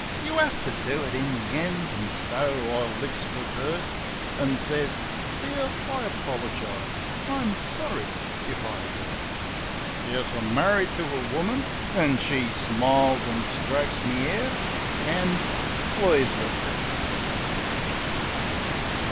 You 'a<ue to do it in the end; an' so I licks the dirt, An' sez, "Dear, I apolergise. I'm sorry if I 'urt." Yes, I'm marri'd to a woman. An' she smiles, an' strokes me 'air, An' leaves it there.